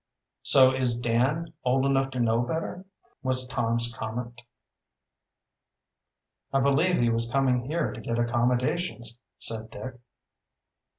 "So is Dan old enough to know better," was Tom's comment. "I believe he was coming here to get accommodations," said Dick.